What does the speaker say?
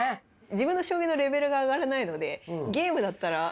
自分の将棋のレベルが上がらないのでゲームだったら。